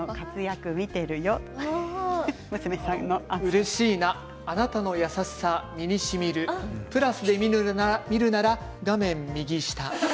うれしいなあなたの優しさ身にしみるプラスで見るなら画面右下。